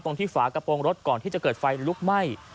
ที่ฝากระโปรงรถก่อนที่จะเกิดไฟลุกไหม้